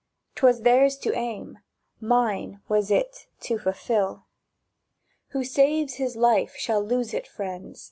—"'Twas theirs to aim, Mine was it to fulfil!" —"Who saves his life shall lose it, friends!"